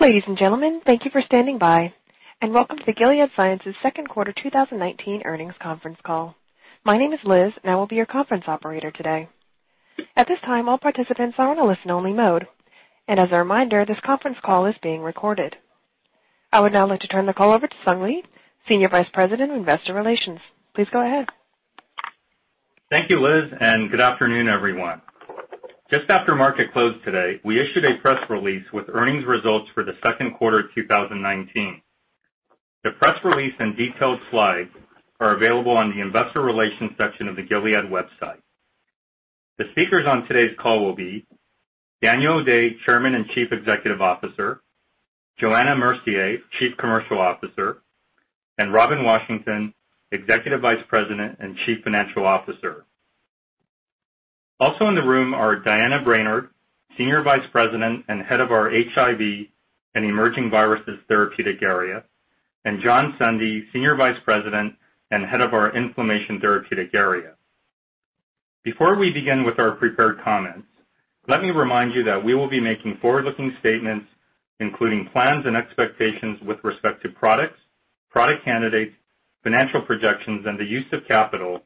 Ladies and gentlemen, thank you for standing by and welcome to the Gilead Sciences second quarter 2019 earnings conference call. My name is Liz, and I will be your conference operator today. At this time, all participants are on a listen only mode. As a reminder, this conference call is being recorded. I would now like to turn the call over to Sung Lee, Senior Vice President of Investor Relations. Please go ahead. Thank you, Liz, good afternoon, everyone. Just after market closed today, we issued a press release with earnings results for the second quarter 2019. The press release and detailed slides are available on the investor relations section of the Gilead website. The speakers on today's call will be Daniel O'Day, Chairman and Chief Executive Officer, Johanna Mercier, Chief Commercial Officer, and Robin Washington, Executive Vice President and Chief Financial Officer. Also in the room are Diana Brainard, Senior Vice President and Head of our HIV and Emerging Viruses Therapeutic Area, and John Sundy, Senior Vice President and Head of our Inflammation Therapeutic Area. Before we begin with our prepared comments, let me remind you that we will be making forward-looking statements, including plans and expectations with respect to products, product candidates, financial projections, and the use of capital,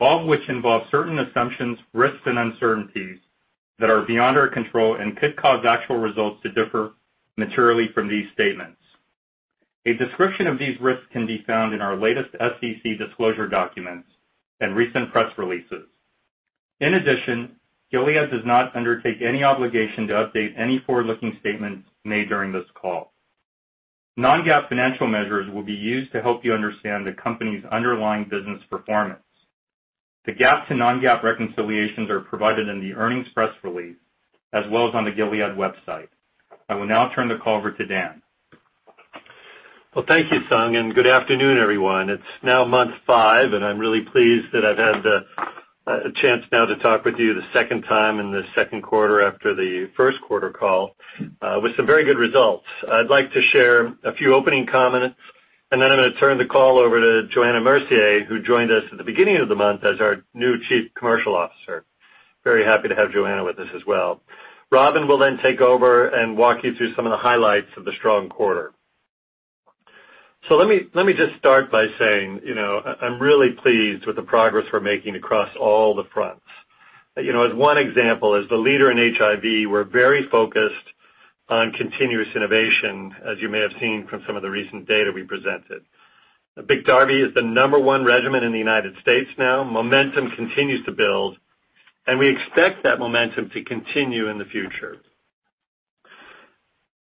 all of which involve certain assumptions, risks, and uncertainties that are beyond our control and could cause actual results to differ materially from these statements. A description of these risks can be found in our latest SEC disclosure documents and recent press releases. In addition, Gilead does not undertake any obligation to update any forward-looking statements made during this call. Non-GAAP financial measures will be used to help you understand the company's underlying business performance. The GAAP to non-GAAP reconciliations are provided in the earnings press release as well as on the Gilead website. I will now turn the call over to Dan. Well, thank you, Sung, good afternoon, everyone. It's now month five, I'm really pleased that I've had the chance now to talk with you the second time in the second quarter after the first quarter call, with some very good results. I'd like to share a few opening comments, I'm going to turn the call over to Johanna Mercier, who joined us at the beginning of the month as our new Chief Commercial Officer. Very happy to have Johanna with us as well. Robin will take over walk you through some of the highlights of the strong quarter. Let me just start by saying, I'm really pleased with the progress we're making across all the fronts. As one example, as the leader in HIV, we're very focused on continuous innovation, as you may have seen from some of the recent data we presented. BIKTARVY is the number one regimen in the United States now. Momentum continues to build, and we expect that momentum to continue in the future.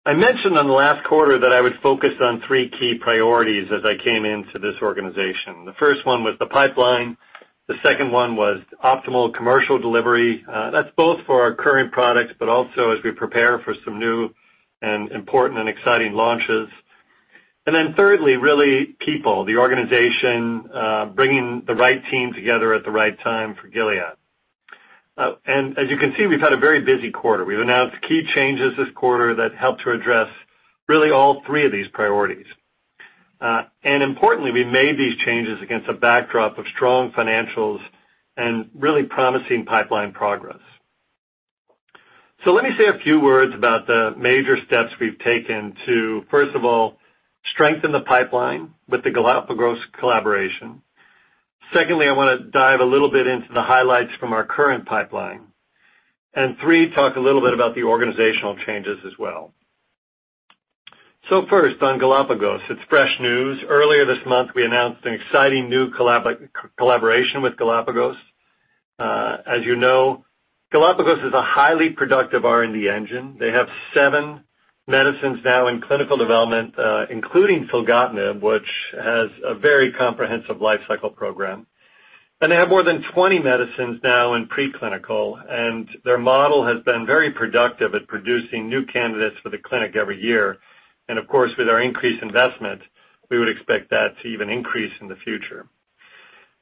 I mentioned on the last quarter that I would focus on three key priorities as I came into this organization. The first one was the pipeline, the second one was optimal commercial delivery. That's both for our current products, but also as we prepare for some new and important and exciting launches. Then thirdly, really people. The organization, bringing the right team together at the right time for Gilead. As you can see, we've had a very busy quarter. We've announced key changes this quarter that helped to address really all three of these priorities. Importantly, we made these changes against a backdrop of strong financials and really promising pipeline progress. Let me say a few words about the major steps we've taken to, first of all, strengthen the pipeline with the Galapagos collaboration. Secondly, I want to dive a little bit into the highlights from our current pipeline. Three, talk a little bit about the organizational changes as well. First on Galapagos, it's fresh news. Earlier this month, we announced an exciting new collaboration with Galapagos. As you know, Galapagos is a highly productive R&D engine. They have seven medicines now in clinical development, including filgotinib, which has a very comprehensive life cycle program. They have more than 20 medicines now in preclinical, and their model has been very productive at producing new candidates for the clinic every year. Of course, with our increased investment, we would expect that to even increase in the future.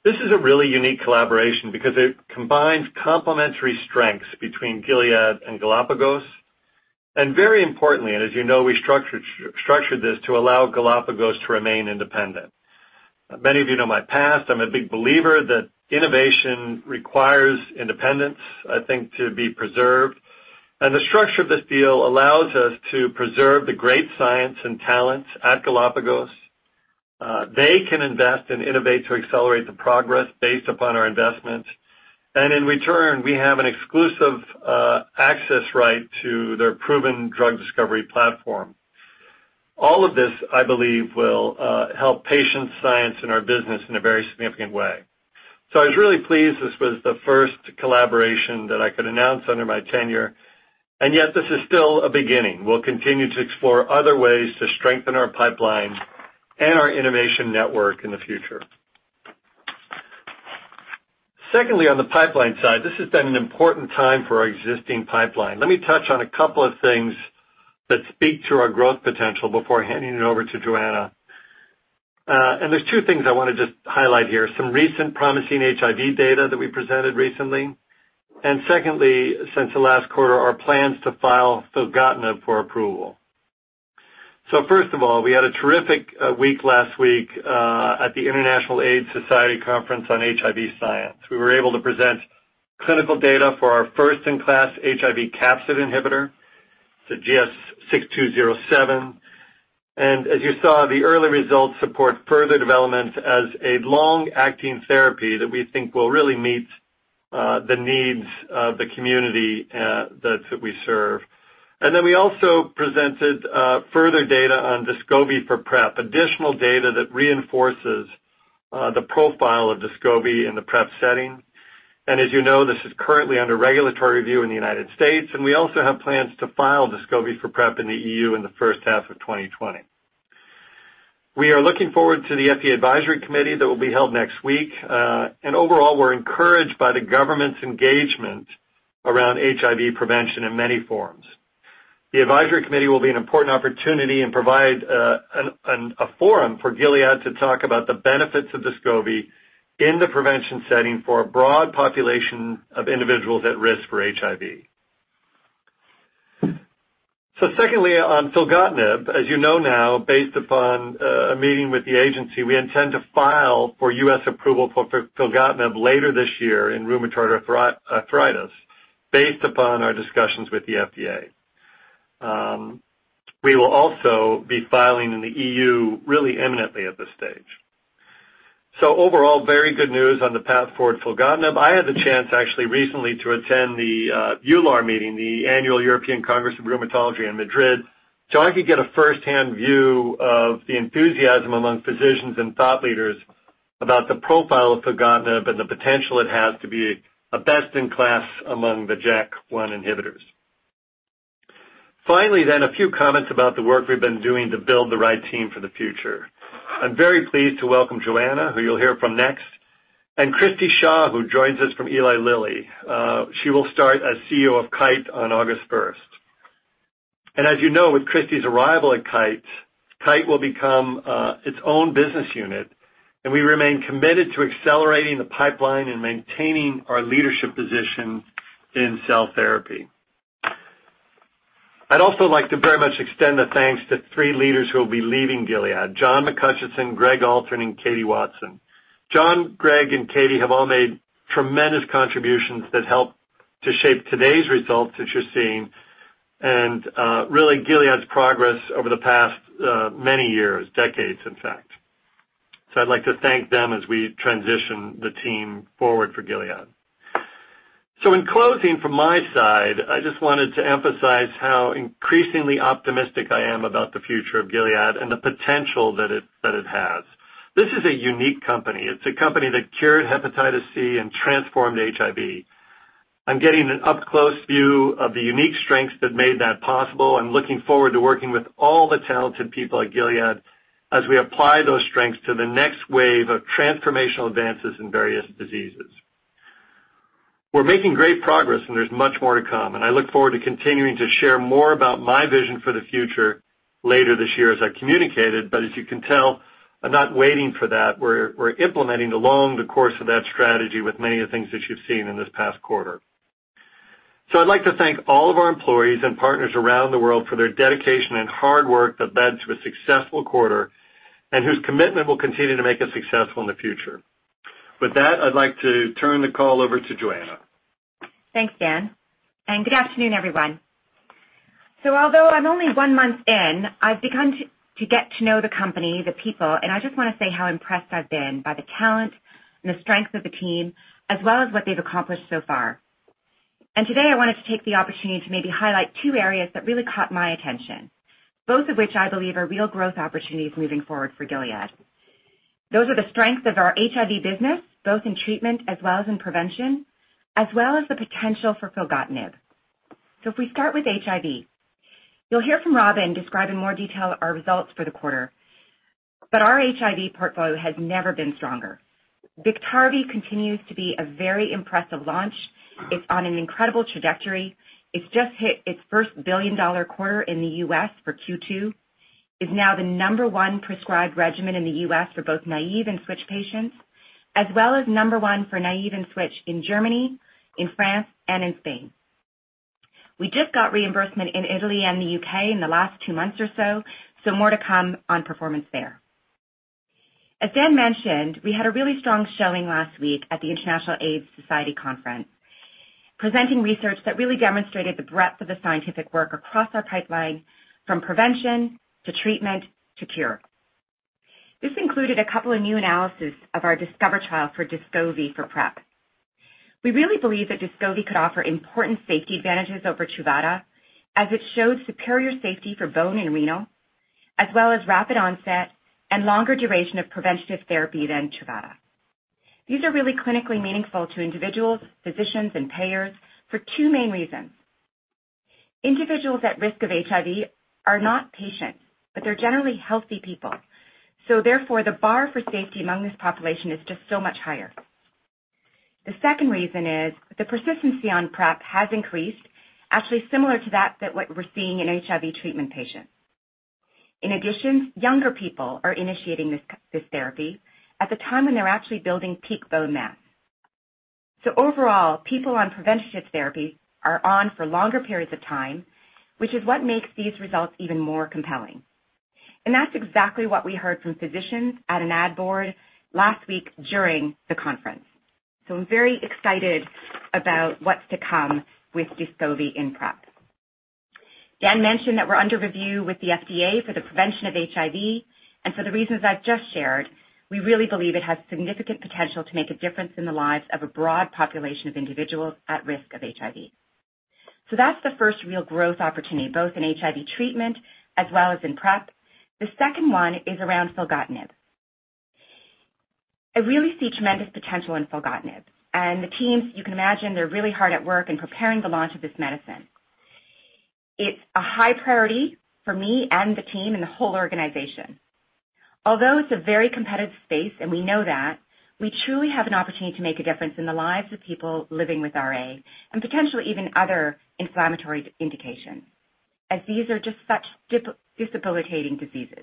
This is a really unique collaboration because it combines complementary strengths between Gilead and Galapagos, very importantly, and as you know, we structured this to allow Galapagos to remain independent. Many of you know my past. I'm a big believer that innovation requires independence, I think, to be preserved. The structure of this deal allows us to preserve the great science and talents at Galapagos. They can invest and innovate to accelerate the progress based upon our investment. In return, we have an exclusive access right to their proven drug discovery platform. All of this, I believe, will help patients, science, and our business in a very significant way. I was really pleased this was the first collaboration that I could announce under my tenure, and yet this is still a beginning. We'll continue to explore other ways to strengthen our pipeline and our innovation network in the future. Secondly, on the pipeline side, this has been an important time for our existing pipeline. Let me touch on a couple of things that speak to our growth potential before handing it over to Johanna. There's two things I want to just highlight here. Some recent promising HIV data that we presented recently, and secondly, since the last quarter, our plans to file filgotinib for approval. First of all, we had a terrific week last week at the International AIDS Society Conference on HIV science. We were able to present clinical data for our first-in-class HIV capsid inhibitor, the GS-6207. As you saw, the early results support further development as a long-acting therapy that we think will really meet the needs of the community that we serve. Then we also presented further data on DESCOVY for PrEP, additional data that reinforces the profile of DESCOVY in the PrEP setting. As you know, this is currently under regulatory review in the U.S., and we also have plans to file DESCOVY for PrEP in the EU in the first half of 2020. We are looking forward to the FDA advisory committee that will be held next week. Overall, we're encouraged by the government's engagement around HIV prevention in many forms. The advisory committee will be an important opportunity and provide a forum for Gilead to talk about the benefits of DESCOVY in the prevention setting for a broad population of individuals at risk for HIV. Secondly, on filgotinib, as you know now, based upon a meeting with the agency, we intend to file for U.S. approval for filgotinib later this year in rheumatoid arthritis based upon our discussions with the FDA. We will also be filing in the EU really imminently at this stage. Overall, very good news on the path forward filgotinib. I had the chance actually recently to attend the EULAR meeting, the Annual European Congress of Rheumatology in Madrid, so I could get a firsthand view of the enthusiasm among physicians and thought leaders about the profile of filgotinib and the potential it has to be a best-in-class among the JAK1 inhibitors. Finally, a few comments about the work we've been doing to build the right team for the future. I'm very pleased to welcome Johanna, who you'll hear from next, and Christi Shaw, who joins us from Eli Lilly. She will start as CEO of Kite on August 1st. As you know, with Christi's arrival at Kite will become its own business unit, and we remain committed to accelerating the pipeline and maintaining our leadership position in cell therapy. I'd also like to very much extend the thanks to three leaders who will be leaving Gilead: John McHutchison, Gregg Alton, and Katie Watson. John, Gregg, and Katie have all made tremendous contributions that helped to shape today's results that you're seeing and really Gilead's progress over the past many years, decades, in fact. I'd like to thank them as we transition the team forward for Gilead. In closing, from my side, I just wanted to emphasize how increasingly optimistic I am about the future of Gilead and the potential that it has. This is a unique company. It's a company that cured hepatitis C and transformed HIV. I'm getting an up-close view of the unique strengths that made that possible. I'm looking forward to working with all the talented people at Gilead as we apply those strengths to the next wave of transformational advances in various diseases. We're making great progress, and there's much more to come, and I look forward to continuing to share more about my vision for the future later this year as I communicated. As you can tell, I'm not waiting for that. We're implementing along the course of that strategy with many of the things that you've seen in this past quarter. I'd like to thank all of our employees and partners around the world for their dedication and hard work that led to a successful quarter and whose commitment will continue to make us successful in the future. With that, I'd like to turn the call over to Johanna. Thanks, Dan. Good afternoon, everyone. Although I'm only one month in, I've begun to get to know the company, the people, and I just want to say how impressed I've been by the talent and the strength of the team, as well as what they've accomplished so far. Today, I wanted to take the opportunity to maybe highlight two areas that really caught my attention, both of which I believe are real growth opportunities moving forward for Gilead. Those are the strengths of our HIV business, both in treatment as well as in prevention, as well as the potential for filgotinib. If we start with HIV, you'll hear from Robin describe in more detail our results for the quarter, but our HIV portfolio has never been stronger. BIKTARVY continues to be a very impressive launch. It's on an incredible trajectory. It's just hit its first $1 billion-dollar quarter in the U.S. for Q2. It's now the number one prescribed regimen in the U.S. for both naive and switch patients, as well as number one for naive and switch in Germany, in France, and in Spain. We just got reimbursement in Italy and the U.K. in the last two months or so. More to come on performance there. As Dan mentioned, we had a really strong showing last week at the International AIDS Society Conference, presenting research that really demonstrated the breadth of the scientific work across our pipeline from prevention to treatment to cure. This included a couple of new analysis of our DISCOVER trial for DESCOVY for PrEP. We really believe that DESCOVY could offer important safety advantages over TRUVADA, as it showed superior safety for bone and renal, as well as rapid onset and longer duration of preventative therapy than TRUVADA. These are really clinically meaningful to individuals, physicians, and payers for two main reasons. Individuals at risk of HIV are not patients, but they're generally healthy people. Therefore, the bar for safety among this population is just so much higher. The second reason is the persistency on PrEP has increased, actually similar to that what we're seeing in HIV treatment patients. In addition, younger people are initiating this therapy at the time when they're actually building peak bone mass. Overall, people on preventative therapy are on for longer periods of time, which is what makes these results even more compelling. That's exactly what we heard from physicians at an AdCom last week during the conference. I'm very excited about what's to come with DESCOVY in PrEP. Dan mentioned that we're under review with the FDA for the prevention of HIV, and for the reasons I've just shared, we really believe it has significant potential to make a difference in the lives of a broad population of individuals at risk of HIV. That's the first real growth opportunity, both in HIV treatment as well as in PrEP. The second one is around filgotinib. I really see tremendous potential in filgotinib, and the teams, you can imagine, they're really hard at work in preparing the launch of this medicine. It's a high priority for me and the team and the whole organization. Although it's a very competitive space, and we know that, we truly have an opportunity to make a difference in the lives of people living with RA, and potentially even other inflammatory indications, as these are just such debilitating diseases.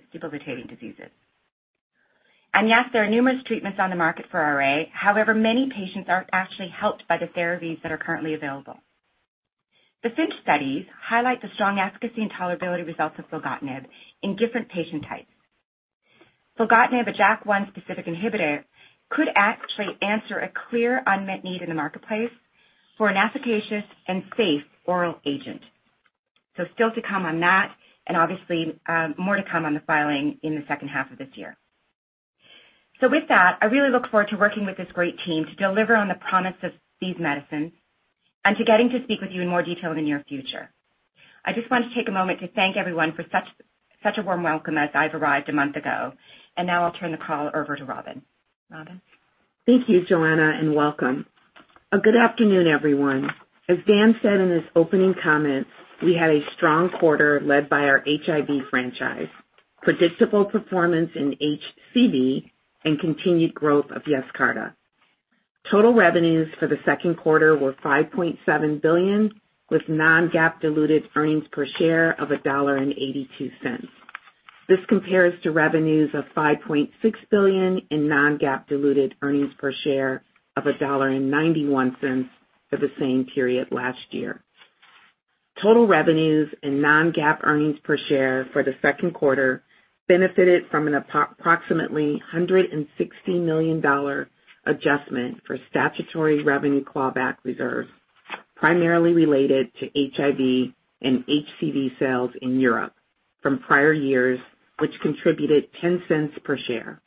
Yes, there are numerous treatments on the market for RA. However, many patients aren't actually helped by the therapies that are currently available. The FINCH studies highlight the strong efficacy and tolerability results of filgotinib in different patient types. Filgotinib, a JAK1-specific inhibitor, could actually answer a clear unmet need in the marketplace for an efficacious and safe oral agent. Still to come on that, and obviously, more to come on the filing in the second half of this year. With that, I really look forward to working with this great team to deliver on the promise of these medicines and to getting to speak with you in more detail in the near future. I just want to take a moment to thank everyone for such a warm welcome as I've arrived a month ago. Now I'll turn the call over to Robin. Robin? Thank you, Johanna, and welcome. A good afternoon, everyone. As Dan said in his opening comments, we had a strong quarter led by our HIV franchise, predictable performance in HCV, and continued growth of YESCARTA. Total revenues for the second quarter were $5.7 billion, with non-GAAP diluted earnings per share of $1.82. This compares to revenues of $5.6 billion in non-GAAP diluted earnings per share of $1.91 for the same period last year. Total revenues and non-GAAP earnings per share for the second quarter benefited from an approximately $160 million adjustment for statutory revenue clawback reserves, primarily related to HIV and HCV sales in Europe from prior years, which contributed $0.10 per share.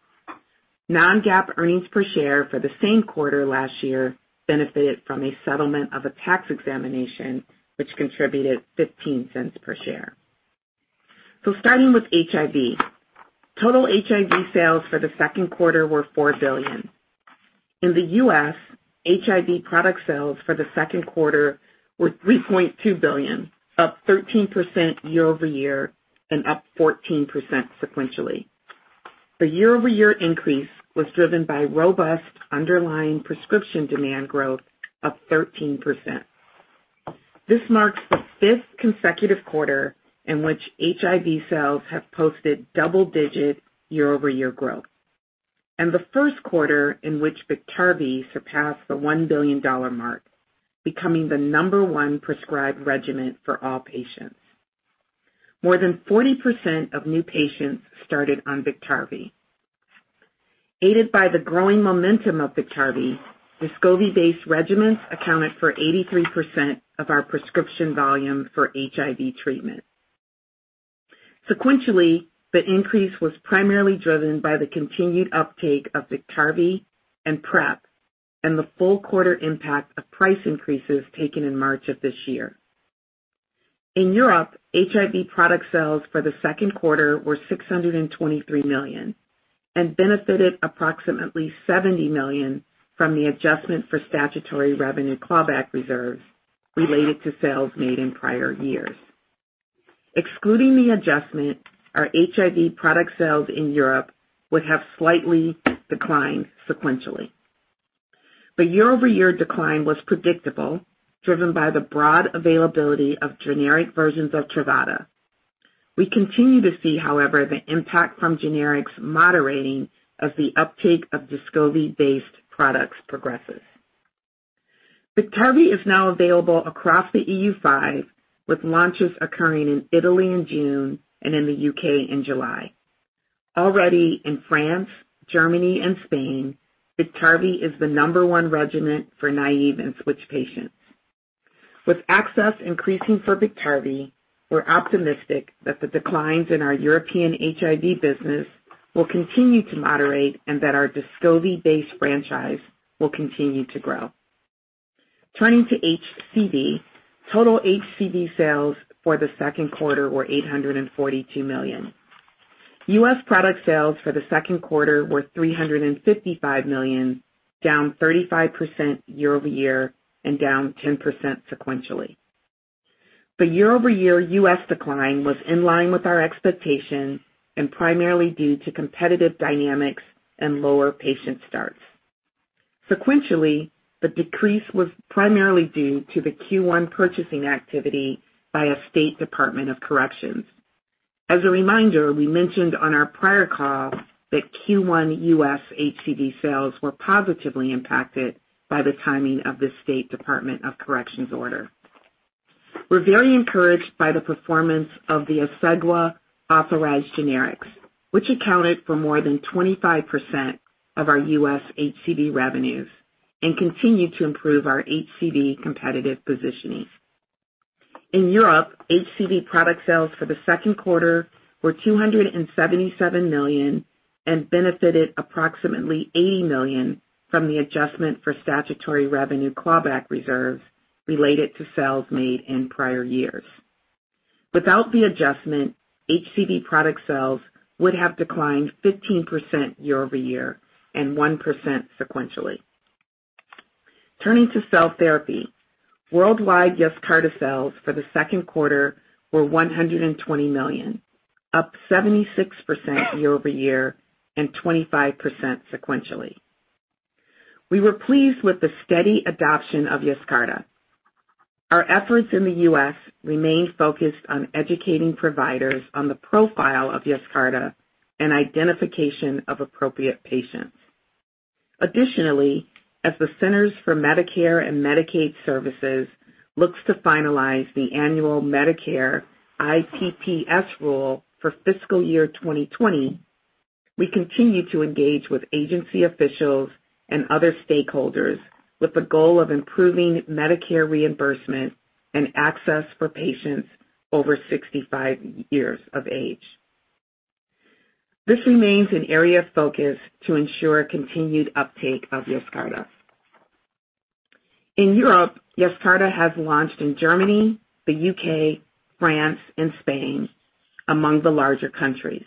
Non-GAAP earnings per share for the same quarter last year benefited from a settlement of a tax examination, which contributed $0.15 per share. Starting with HIV. Total HIV sales for the second quarter were $4 billion. In the U.S., HIV product sales for the second quarter were $3.2 billion, up 13% year-over-year and up 14% sequentially. The year-over-year increase was driven by robust underlying prescription demand growth of 13%. This marks the fifth consecutive quarter in which HIV sales have posted double-digit year-over-year growth and the first quarter in which Biktarvy surpassed the $1 billion mark, becoming the number 1 prescribed regimen for all patients. More than 40% of new patients started on Biktarvy. Aided by the growing momentum of Biktarvy, Descovy-based regimens accounted for 83% of our prescription volume for HIV treatment. Sequentially, the increase was primarily driven by the continued uptake of Biktarvy and PrEP and the full quarter impact of price increases taken in March of this year. In Europe, HIV product sales for the second quarter were $623 million and benefited approximately $70 million from the adjustment for statutory revenue clawback reserves related to sales made in prior years. Excluding the adjustment, our HIV product sales in Europe would have slightly declined sequentially. The year-over-year decline was predictable, driven by the broad availability of generic versions of TRUVADA. We continue to see, however, the impact from generics moderating as the uptake of DESCOVY-based products progresses. BIKTARVY is now available across the EU5, with launches occurring in Italy in June and in the U.K. in July. Already in France, Germany, and Spain, BIKTARVY is the number 1 regimen for naive and switch patients. With access increasing for BIKTARVY, we're optimistic that the declines in our European HIV business will continue to moderate and that our DESCOVY-based franchise will continue to grow. Turning to HCV. Total HCV sales for the second quarter were $842 million. U.S. product sales for the second quarter were $355 million, down 35% year-over-year and down 10% sequentially. The year-over-year U.S. decline was in line with our expectation and primarily due to competitive dynamics and lower patient starts. Sequentially, the decrease was primarily due to the Q1 purchasing activity by a State Department of Corrections. As a reminder, we mentioned on our prior call that Q1 U.S. HCV sales were positively impacted by the timing of the State Department of Corrections order. We're very encouraged by the performance of the EPCLUSA authorized generics, which accounted for more than 25% of our U.S. HCV revenues and continue to improve our HCV competitive positioning. In Europe, HCV product sales for the second quarter were $277 million and benefited approximately $80 million from the adjustment for statutory revenue clawback reserves related to sales made in prior years. Without the adjustment, HCV product sales would have declined 15% year-over-year and 1% sequentially. Turning to cell therapy, worldwide Yescarta cells for the second quarter were $120 million, up 76% year-over-year and 25% sequentially. We were pleased with the steady adoption of Yescarta. Our efforts in the U.S. remain focused on educating providers on the profile of Yescarta and identification of appropriate patients. Additionally, as the Centers for Medicare and Medicaid Services looks to finalize the annual Medicare IPPS rule for fiscal year 2020, we continue to engage with agency officials and other stakeholders with the goal of improving Medicare reimbursement and access for patients over 65 years of age. This remains an area of focus to ensure continued uptake of YESCARTA. In Europe, YESCARTA has launched in Germany, the U.K., France, and Spain, among the larger countries.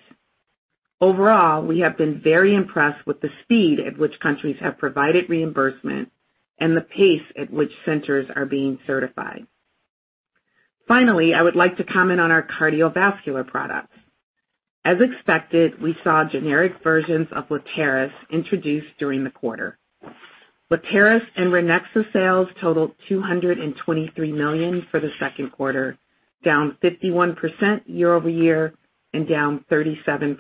Overall, we have been very impressed with the speed at which countries have provided reimbursement and the pace at which centers are being certified. I would like to comment on our cardiovascular products. As expected, we saw generic versions of LETAIRIS introduced during the quarter. LETAIRIS and Ranexa sales totaled $223 million for the second quarter, down 51% year-over-year and down 37%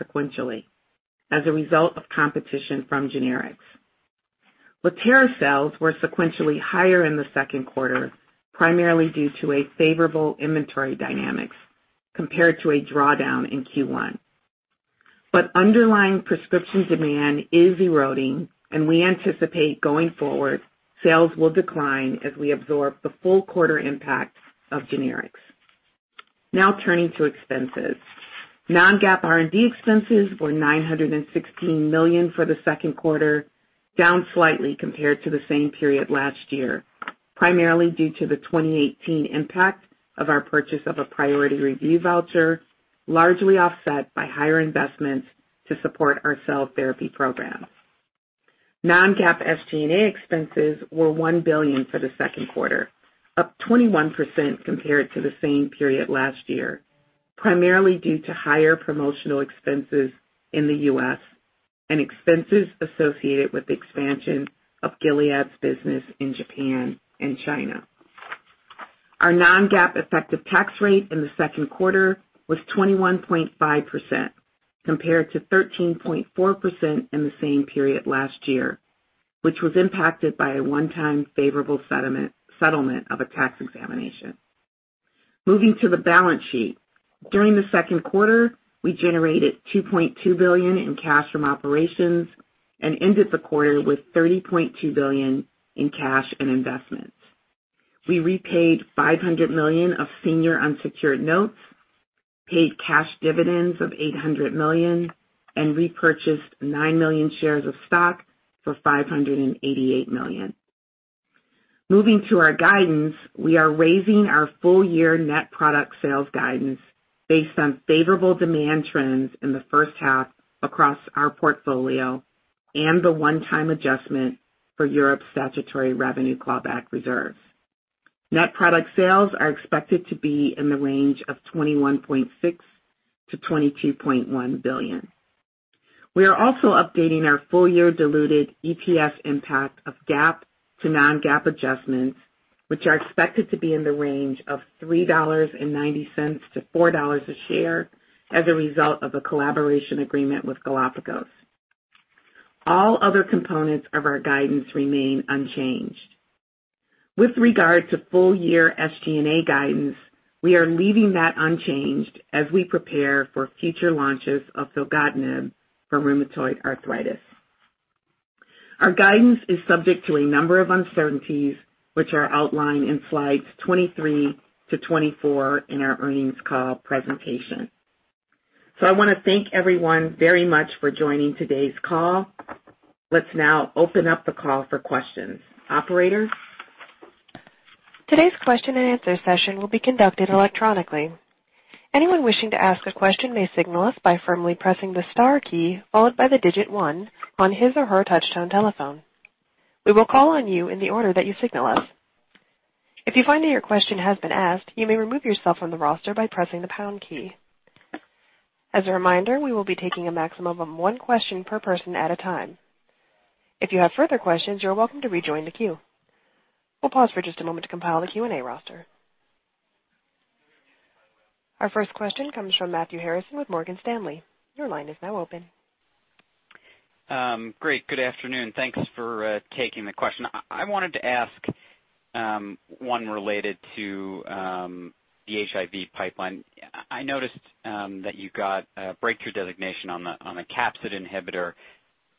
sequentially as a result of competition from generics. LETAIRIS sales were sequentially higher in the second quarter, primarily due to a favorable inventory dynamics compared to a drawdown in Q1. Underlying prescription demand is eroding, and we anticipate, going forward, sales will decline as we absorb the full quarter impact of generics. Turning to expenses. Non-GAAP R&D expenses were $916 million for the second quarter, down slightly compared to the same period last year, primarily due to the 2018 impact of our purchase of a priority review voucher, largely offset by higher investments to support our cell therapy programs. Non-GAAP SG&A expenses were $1 billion for the second quarter, up 21% compared to the same period last year, primarily due to higher promotional expenses in the U.S. and expenses associated with the expansion of Gilead's business in Japan and China. Our non-GAAP effective tax rate in the second quarter was 21.5% compared to 13.4% in the same period last year, which was impacted by a one-time favorable settlement of a tax examination. Moving to the balance sheet. During the second quarter, we generated $2.2 billion in cash from operations and ended the quarter with $30.2 billion in cash and investments. We repaid $500 million of senior unsecured notes, paid cash dividends of $800 million, and repurchased nine million shares of stock for $588 million. Moving to our guidance, we are raising our full year net product sales guidance based on favorable demand trends in the first half across our portfolio and the one-time adjustment for Europe's statutory revenue clawback reserves. Net product sales are expected to be in the range of $21.6 billion-$22.1 billion. We are also updating our full year diluted EPS impact of GAAP to non-GAAP adjustments, which are expected to be in the range of $3.90-$4 a share as a result of a collaboration agreement with Galapagos. All other components of our guidance remain unchanged. With regard to full year SG&A guidance, we are leaving that unchanged as we prepare for future launches of filgotinib for rheumatoid arthritis. Our guidance is subject to a number of uncertainties, which are outlined in slides 23-24 in our earnings call presentation. I want to thank everyone very much for joining today's call. Let's now open up the call for questions. Operator? Today's question and answer session will be conducted electronically. Anyone wishing to ask a question may signal us by firmly pressing the star key followed by the digit 1 on his or her touch-tone telephone. We will call on you in the order that you signal us. If you find that your question has been asked, you may remove yourself from the roster by pressing the pound key. As a reminder, we will be taking a maximum of one question per person at a time. If you have further questions, you are welcome to rejoin the queue. We'll pause for just a moment to compile the Q&A roster. Our first question comes from Matthew Harrison with Morgan Stanley. Your line is now open. Great. Good afternoon. Thanks for taking the question. I wanted to ask one related to the HIV pipeline. I noticed that you got a breakthrough designation on the capsid inhibitor,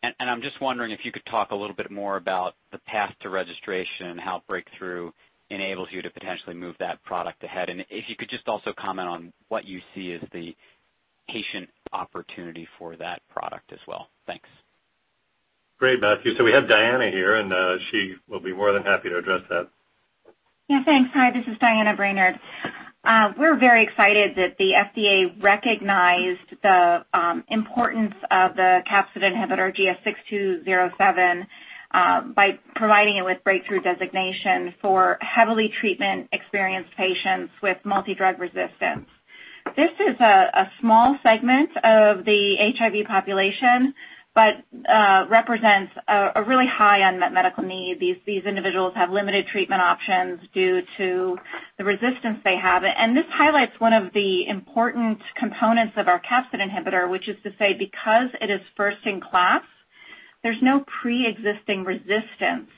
and I'm just wondering if you could talk a little bit more about the path to registration and how breakthrough enables you to potentially move that product ahead. If you could just also comment on what you see as the patient opportunity for that product as well. Thanks. Great, Matthew. We have Diana here, and she will be more than happy to address that. Yeah, thanks. Hi, this is Diana Brainard. We're very excited that the FDA recognized the importance of the capsid inhibitor GS-6207 by providing it with breakthrough designation for heavily treatment-experienced patients with multi-drug resistance. This is a small segment of the HIV population, but represents a really high unmet medical need. These individuals have limited treatment options due to the resistance they have. This highlights one of the important components of our capsid inhibitor, which is to say, because it is first in class, there's no preexisting resistance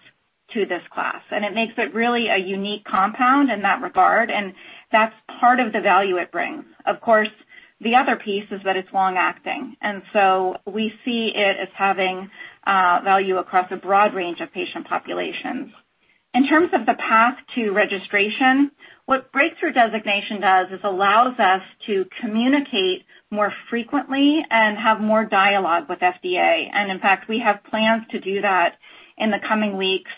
to this class, and it makes it really a unique compound in that regard, and that's part of the value it brings. Of course, the other piece is that it's long-acting, we see it as having value across a broad range of patient populations. In terms of the path to registration, what breakthrough designation does is allows us to communicate more frequently and have more dialogue with FDA. In fact, we have plans to do that in the coming weeks,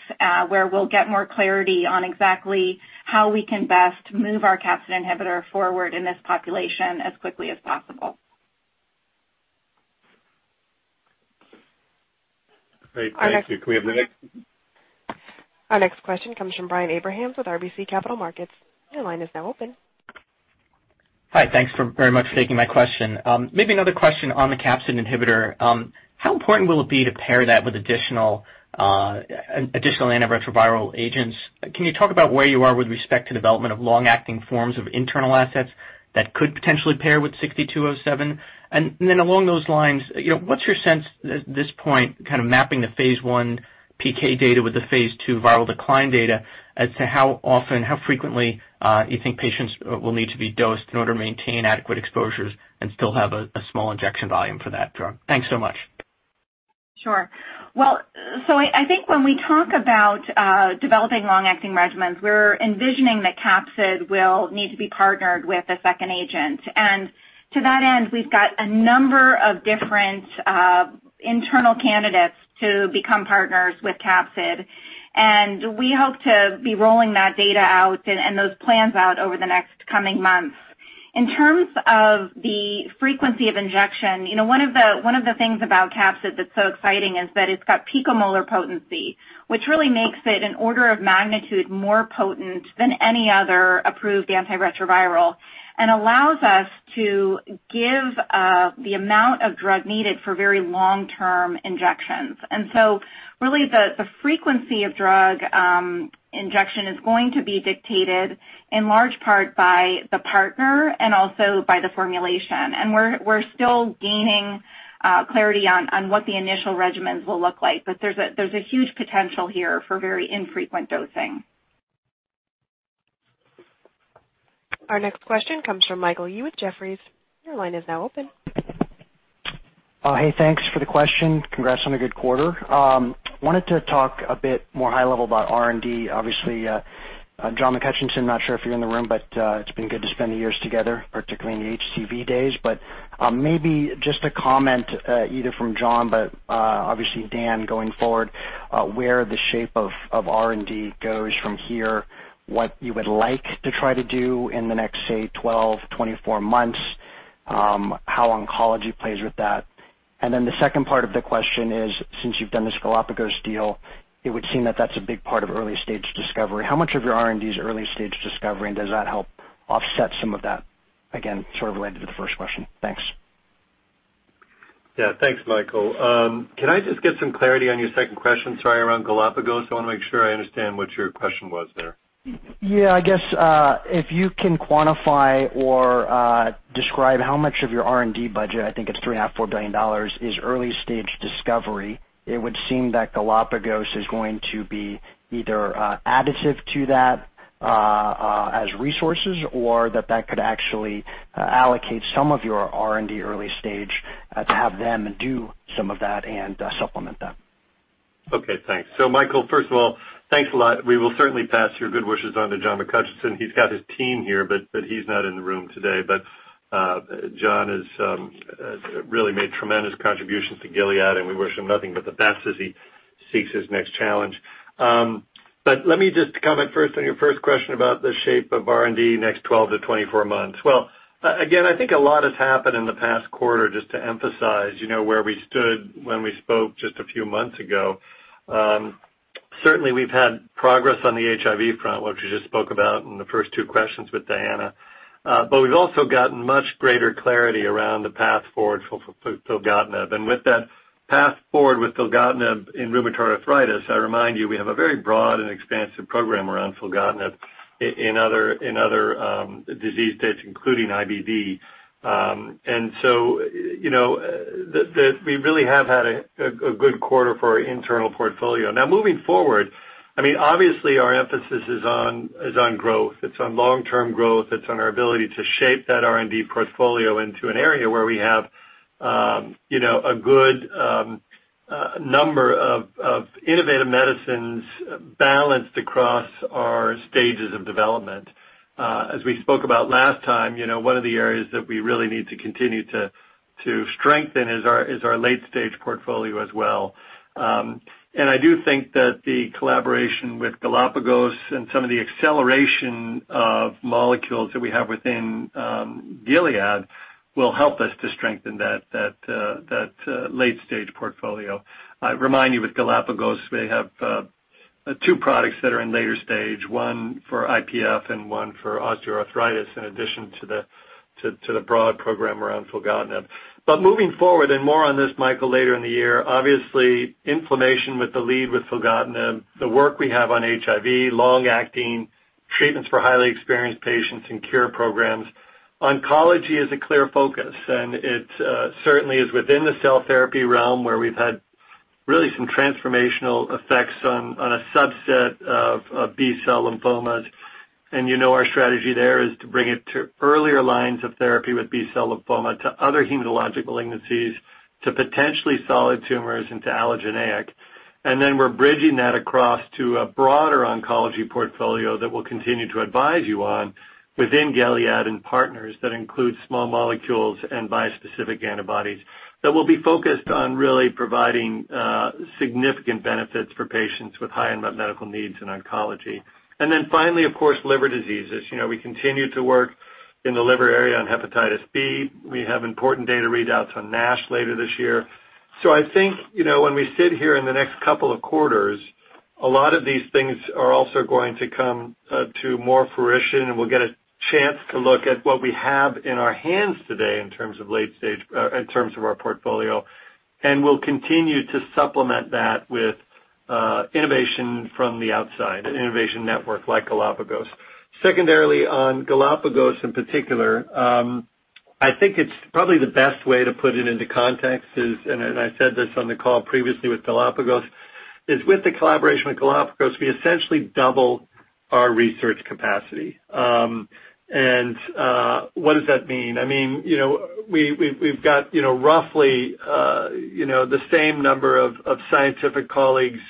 where we'll get more clarity on exactly how we can best move our capsid inhibitor forward in this population as quickly as possible. Great. Thank you. Can we have the next? Our next question comes from Brian Abrahams with RBC Capital Markets. Your line is now open. Hi. Thanks very much for taking my question. Maybe another question on the capsid inhibitor. How important will it be to pair that with additional antiretroviral agents? Can you talk about where you are with respect to development of long-acting forms of internal assets that could potentially pair with 6207? Along those lines, what's your sense at this point, kind of mapping the phase I PK data with the phase II viral decline data as to how often, how frequently you think patients will need to be dosed in order to maintain adequate exposures and still have a small injection volume for that drug? Thanks so much. Sure. I think when we talk about developing long-acting regimens, we're envisioning that capsid will need to be partnered with a second agent. To that end, we've got a number of different internal candidates to become partners with capsid, and we hope to be rolling that data out and those plans out over the next coming months. In terms of the frequency of injection, one of the things about capsid that's so exciting is that it's got picomolar potency, which really makes it an order of magnitude more potent than any other approved antiretroviral and allows us to give the amount of drug needed for very long-term injections. Really, the frequency of drug injection is going to be dictated in large part by the partner and also by the formulation. We're still gaining clarity on what the initial regimens will look like. There's a huge potential here for very infrequent dosing. Our next question comes from Michael Yee with Jefferies. Your line is now open. Hey, thanks for the question. Congrats on a good quarter. Wanted to talk a bit more high level about R&D. Obviously, John McHutchison, not sure if you're in the room, but it's been good to spend the years together, particularly in the HCV days. Maybe just a comment, either from John, but obviously Dan going forward, where the shape of R&D goes from here, what you would like to try to do in the next, say, 12, 24 months, how oncology plays with that. The second part of the question is, since you've done this Galapagos deal, it would seem that that's a big part of early-stage discovery. How much of your R&D is early-stage discovery, and does that help offset some of that? Again, sort of related to the first question. Thanks. Yeah. Thanks, Michael. Can I just get some clarity on your second question, sorry, around Galapagos? I want to make sure I understand what your question was there. Yeah, I guess, if you can quantify or describe how much of your R&D budget, I think it's $3.5 billion, $4 billion, is early-stage discovery. It would seem that Galapagos is going to be either additive to that as resources or that that could actually allocate some of your R&D early stage to have them do some of that and supplement that. Okay, thanks. Michael, first of all, thanks a lot. We will certainly pass your good wishes on to John McHutchison. He's got his team here, but he's not in the room today. John has really made tremendous contributions to Gilead, and we wish him nothing but the best as he seeks his next challenge. Let me just comment first on your first question about the shape of R&D next 12 to 24 months. Again, I think a lot has happened in the past quarter just to emphasize where we stood when we spoke just a few months ago. Certainly, we've had progress on the HIV front, which we just spoke about in the first two questions with Diana. We've also gotten much greater clarity around the path forward for filgotinib. With that path forward with filgotinib in rheumatoid arthritis, I remind you, we have a very broad and expansive program around filgotinib in other disease states, including IBD. We really have had a good quarter for our internal portfolio. Now, moving forward, obviously, our emphasis is on growth. It's on long-term growth. It's on our ability to shape that R&D portfolio into an area where we have a good number of innovative medicines balanced across our stages of development. As we spoke about last time, one of the areas that we really need to continue to strengthen is our late-stage portfolio as well. I do think that the collaboration with Galapagos and some of the acceleration of molecules that we have within Gilead will help us to strengthen that late-stage portfolio. I remind you, with Galapagos, they have two products that are in later stage, one for IPF and one for osteoarthritis, in addition to the broad program around filgotinib. Moving forward, and more on this, Michael, later in the year, obviously inflammation with the lead with filgotinib, the work we have on HIV, long-acting treatments for highly experienced patients in cure programs. oncology is a clear focus, and it certainly is within the cell therapy realm where we've had really some transformational effects on a subset of B-cell lymphomas. You know our strategy there is to bring it to earlier lines of therapy with B-cell lymphoma to other hematologic malignancies, to potentially solid tumors into allogeneic. We're bridging that across to a broader oncology portfolio that we'll continue to advise you on within Gilead and partners that include small molecules and bispecific antibodies that will be focused on really providing significant benefits for patients with high unmet medical needs in oncology. Finally, of course, liver diseases. We continue to work in the liver area on hepatitis B. We have important data readouts on NASH later this year. I think, when we sit here in the next couple of quarters, a lot of these things are also going to come to more fruition, and we'll get a chance to look at what we have in our hands today in terms of our portfolio. We'll continue to supplement that with innovation from the outside, an innovation network like Galapagos. Secondarily, on Galapagos in particular, I think it's probably the best way to put it into context is, and I said this on the call previously with Galapagos, is with the collaboration with Galapagos, we essentially double our research capacity. What does that mean? We've got roughly the same number of scientific colleagues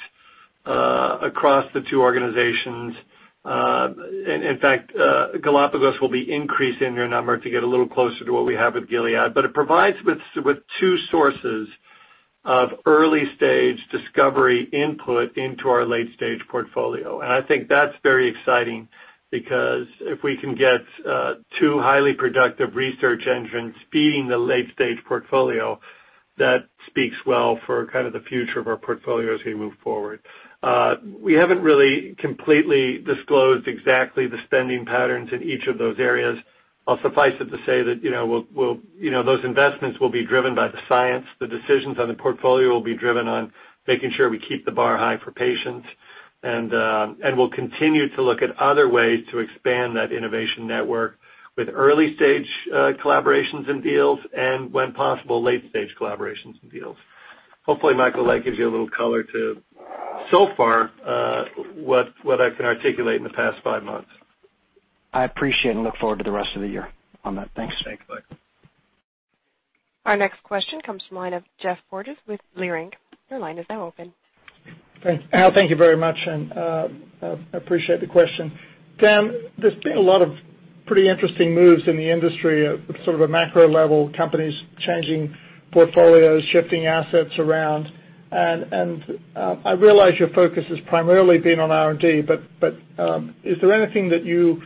across the two organizations. Galapagos will be increasing their number to get a little closer to what we have with Gilead. It provides with two sources of early-stage discovery input into our late-stage portfolio. I think that's very exciting because if we can get two highly productive research engines feeding the late-stage portfolio, that speaks well for the future of our portfolio as we move forward. We haven't really completely disclosed exactly the spending patterns in each of those areas. I'll suffice it to say that those investments will be driven by the science. The decisions on the portfolio will be driven on making sure we keep the bar high for patients. We'll continue to look at other ways to expand that innovation network with early-stage collaborations and deals, and when possible, late-stage collaborations and deals. Hopefully, Michael, that gives you a little color to, so far, what I've been articulating the past five months. I appreciate and look forward to the rest of the year on that. Thanks. Thanks, Mike. Our next question comes from the line of Geoff Curtis with Leerink. Your line is now open. Geoff, thank you very much, and I appreciate the question. Dan, there's been a lot of pretty interesting moves in the industry at sort of a macro level, companies changing portfolios, shifting assets around, and I realize your focus has primarily been on R&D, but is there anything that you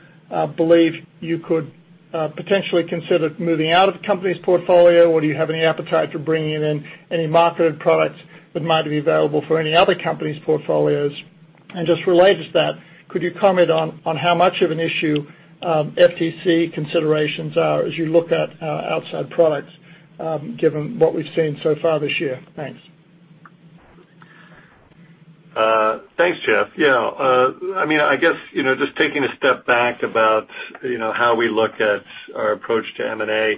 believe you could potentially consider moving out of the company's portfolio? Do you have any appetite for bringing in any marketed products that might be available for any other company's portfolios? Just related to that, could you comment on how much of an issue FTC considerations are as you look at outside products, given what we've seen so far this year? Thanks. Thanks, Geoff. I guess just taking a step back about how we look at our approach to M&A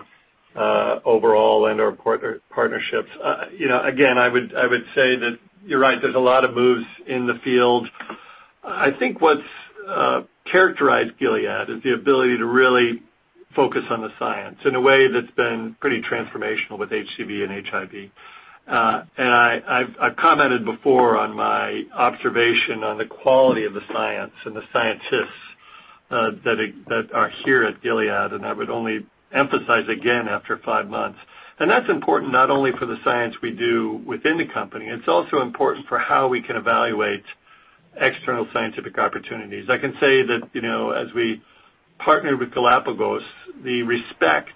overall and our partnerships. Again, I would say that you're right, there's a lot of moves in the field. I think what's characterized Gilead is the ability to really focus on the science in a way that's been pretty transformational with HCV and HIV. I've commented before on my observation on the quality of the science and the scientists that are here at Gilead, and I would only emphasize again after five months. That's important not only for the science we do within the company, it's also important for how we can evaluate external scientific opportunities. I can say that as we partnered with Galapagos, the respect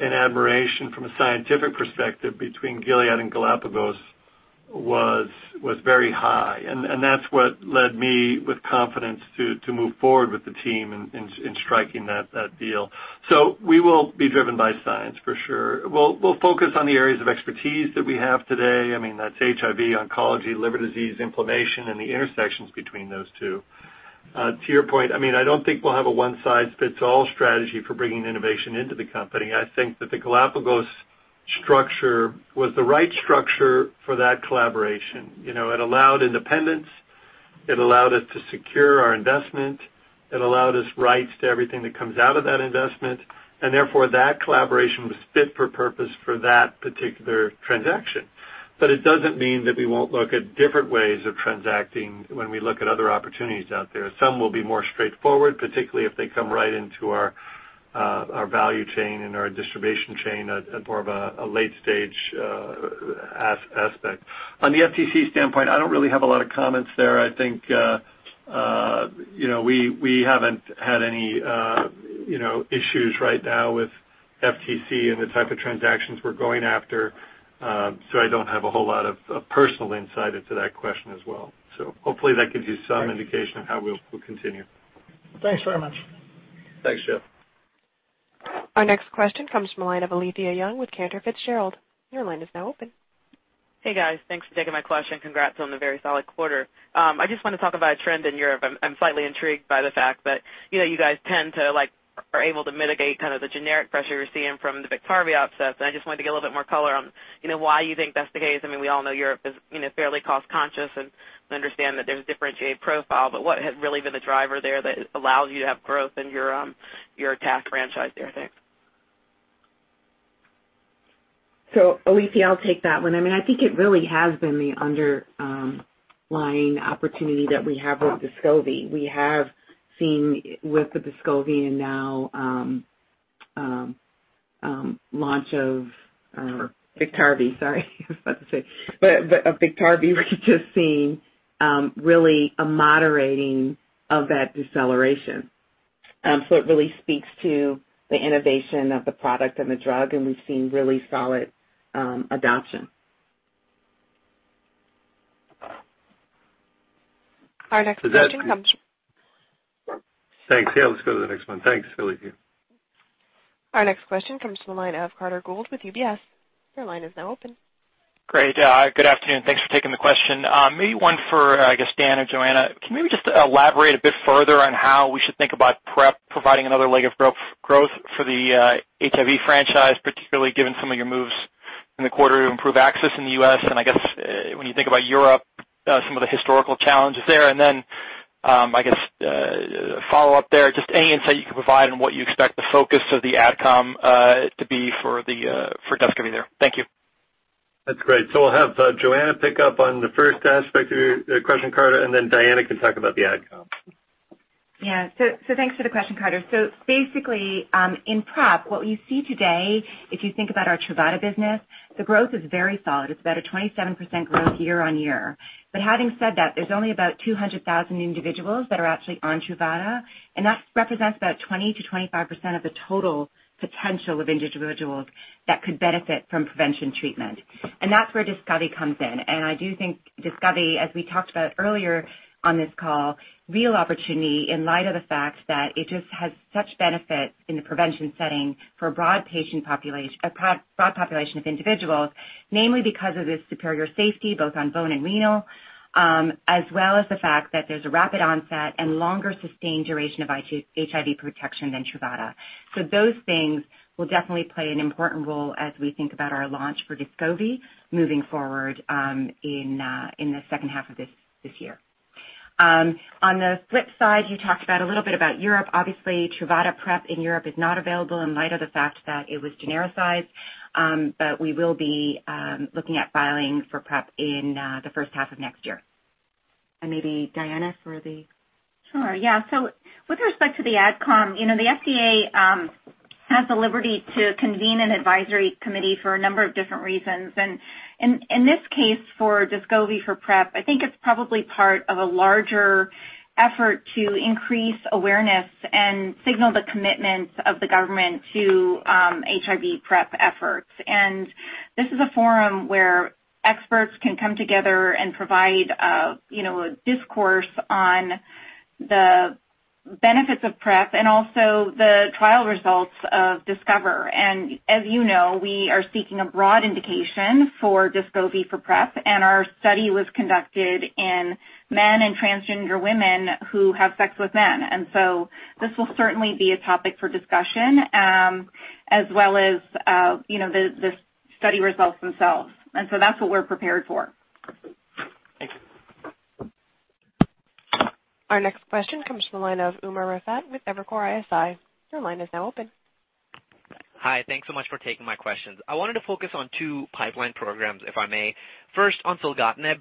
and admiration from a scientific perspective between Gilead and Galapagos was very high. That's what led me with confidence to move forward with the team in striking that deal. We will be driven by science for sure. We'll focus on the areas of expertise that we have today. That's HIV, oncology, liver disease, inflammation, and the intersections between those two. To your point, I don't think we'll have a one-size-fits-all strategy for bringing innovation into the company. I think that the Galapagos structure was the right structure for that collaboration. It allowed independence, it allowed us to secure our investment, it allowed us rights to everything that comes out of that investment, and therefore that collaboration was fit for purpose for that particular transaction. It doesn't mean that we won't look at different ways of transacting when we look at other opportunities out there. Some will be more straightforward, particularly if they come right into our value chain and our distribution chain at more of a late-stage aspect. On the FTC standpoint, I don't really have a lot of comments there. I think we haven't had any issues right now with FTC and the type of transactions we're going after. I don't have a whole lot of personal insight into that question as well. Hopefully that gives you some indication of how we'll continue. Thanks very much. Thanks, Geoff. Our next question comes from the line of Alethia Young with Cantor Fitzgerald. Your line is now open. Hey, guys. Thanks for taking my question. Congrats on the very solid quarter. I just want to talk about a trend in Europe. I'm slightly intrigued by the fact that you guys are able to mitigate the generic pressure you're seeing from the BIKTARVY offsets. I just wanted to get a little bit more color on why you think that's the case. We all know Europe is fairly cost-conscious, and I understand that there's a differentiated profile, but what has really been the driver there that allows you to have growth in your TAF franchise there? Thanks. Alethia, I'll take that one. I think it really has been the underlying opportunity that we have with DESCOVY. We have seen with the DESCOVY and now launch of BIKTARVY, we've just seen really a moderating of that deceleration. It really speaks to the innovation of the product and the drug, and we've seen really solid adoption. Our next question comes. Thanks. Yeah, let's go to the next one. Thanks, Alethia. Our next question comes from the line of Carter Gould with UBS. Your line is now open. Great. Good afternoon. Thanks for taking the question. Maybe one for, I guess, Diana or Johanna. Can you maybe just elaborate a bit further on how we should think about PrEP providing another leg of growth for the HIV franchise, particularly given some of your moves in the quarter to improve access in the U.S., and I guess, when you think about Europe, some of the historical challenges there? Then, I guess a follow-up there, just any insight you can provide on what you expect the focus of the AdCom to be for DESCOVY there. Thank you. That's great. We'll have Johanna pick up on the first aspect of your question, Carter, and then Diana can talk about the AdCom. Thanks for the question, Carter. Basically, in PrEP, what we see today, if you think about our TRUVADA business, the growth is very solid. It's about a 27% growth year-on-year. Having said that, there's only about 200,000 individuals that are actually on TRUVADA, and that represents about 20%-25% of the total potential of individuals that could benefit from prevention treatment. That's where DESCOVY comes in. I do think DESCOVY, as we talked about earlier on this call, real opportunity in light of the fact that it just has such benefit in the prevention setting for a broad population of individuals, namely because of its superior safety, both on bone and renal, as well as the fact that there's a rapid onset and longer sustained duration of HIV protection than TRUVADA. Those things will definitely play an important role as we think about our launch for DESCOVY moving forward in the second half of this year. On the flip side, you talked a little bit about Europe. Obviously, TRUVADA PrEP in Europe is not available in light of the fact that it was genericized. We will be looking at filing for PrEP in the first half of next year. Maybe Diana for the Sure, yeah. With respect to the AdCom, the FDA has the liberty to convene an advisory committee for a number of different reasons. In this case, for DESCOVY for PrEP, I think it's probably part of a larger effort to increase awareness and signal the commitment of the government to HIV PrEP efforts. This is a forum where experts can come together and provide a discourse on the benefits of PrEP and also the trial results of DISCOVER. As you know, we are seeking a broad indication for DESCOVY for PrEP, and our study was conducted in men and transgender women who have sex with men. This will certainly be a topic for discussion, as well as the study results themselves. That's what we're prepared for. Thank you. Our next question comes from the line of Umer Raffat with Evercore ISI. Your line is now open. Hi. Thanks so much for taking my questions. I wanted to focus on two pipeline programs, if I may. First on filgotinib.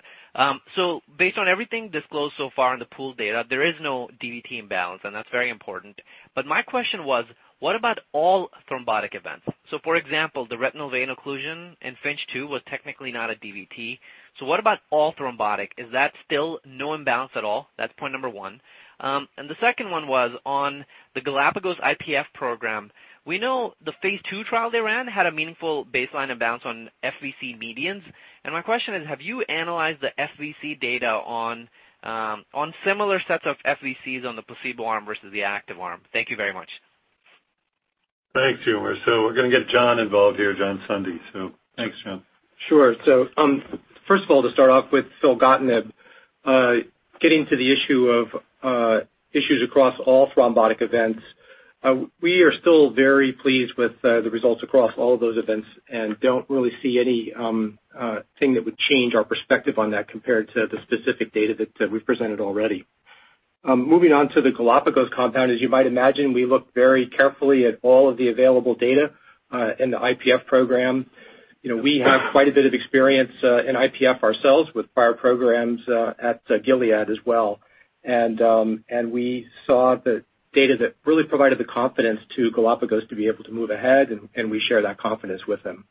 Based on everything disclosed so far in the pool data, there is no DVT imbalance, and that's very important. My question was, what about all thrombotic events? For example, the retinal vein occlusion in FINCH 2 was technically not a DVT. What about all thrombotic? Is that still no imbalance at all? That's point number one. The second one was on the Galapagos IPF program. We know the phase II trial they ran had a meaningful baseline imbalance on FVC medians. My question is, have you analyzed the FVC data on similar sets of FVCs on the placebo arm versus the active arm? Thank you very much. Thanks, Umer. We're going to get John involved here, John Sundy. Thanks, John. Sure. First of all, to start off with filgotinib, getting to the issue of issues across all thrombotic events, we are still very pleased with the results across all of those events and don't really see anything that would change our perspective on that compared to the specific data that we've presented already. Moving on to the Galapagos compound, as you might imagine, we look very carefully at all of the available data in the IPF program. We have quite a bit of experience in IPF ourselves with prior programs at Gilead as well. We saw the data that really provided the confidence to Galapagos to be able to move ahead, and we share that confidence with them.